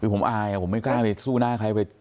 คือผมอายผมไม่กล้าไปสู้หน้าใคร